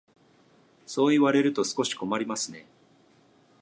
そう言われると少し困りますね。